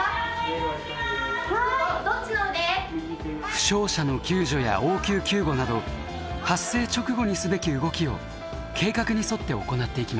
負傷者の救助や応急救護など発生直後にすべき動きを計画に沿って行っていきます。